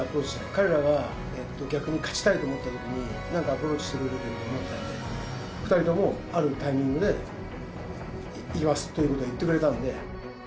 彼らが逆に勝ちたいと思ったときに、なんかアプローチしてくれるというふうに思ってたので、２人とも、あるタイミングで、いきますということは言ってくれたんで。